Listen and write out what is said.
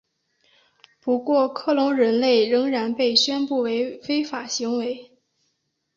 不过克隆人类仍然被宣布为非法行为。